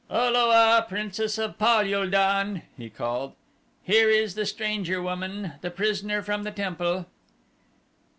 "O lo a, Princess of Pal ul don," he called, "here is the stranger woman, the prisoner from the temple."